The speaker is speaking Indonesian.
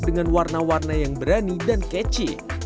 dengan warna warna yang berani dan ketchy